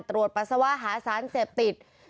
ปัสสาวะหาสารเสพติด